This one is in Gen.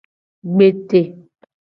Gbete.